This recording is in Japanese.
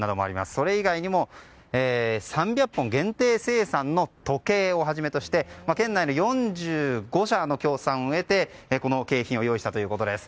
それ以外にも３００本限定生産の時計をはじめとして県内の４５社の協賛を得てこの景品を用意したということです。